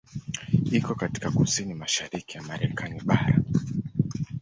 Iko katika kusini mashariki ya Marekani bara.